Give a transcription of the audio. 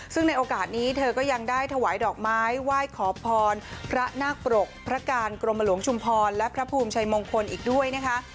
ซึ่งในโอกาสนี้เธอก็ยังได้ถวายดอกไม้ไหว้ขอพรพระนาคปรกพระการกรมหลวงชุมพรและพระภูมิชัยมงคลอีกด้วยนะคะ